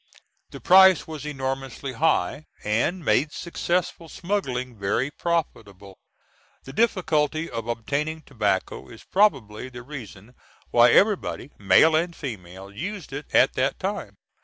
The price was enormously high, and made successful smuggling very profitable. The difficulty of obtaining tobacco is probably the reason why everybody, male and female, used it at that time.